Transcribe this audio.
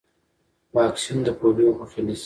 واکسین د پولیو مخه نیسي۔